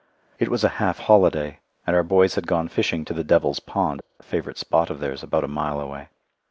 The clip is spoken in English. It was a half holiday and our boys had gone fishing to the Devil's Pond, a favourite spot of theirs, about a mile away.